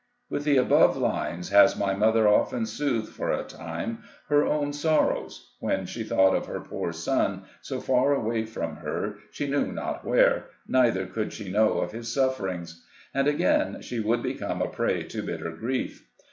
With the above lines has my mother often soothed, for a time, her own sorrows, when she thought of her poor son, so far away from her, she knew not where, neither could she know of his suf ferings ; and again, she would become a prey to bitter grief.